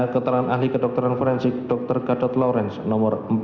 keterangan ahli kedokteran forensik dr gadot lawrence no empat dua puluh enam